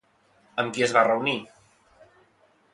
Amb qui es va reunir?